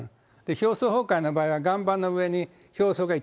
表層崩壊の場合は、岩盤の上に表層が１、